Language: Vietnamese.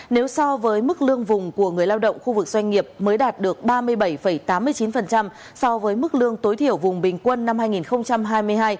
nếu so với mức lương vùng của người lao động khu vực doanh nghiệp mới đạt được ba mươi bảy tám mươi chín so với mức lương tối thiểu vùng bình quân năm hai nghìn hai mươi hai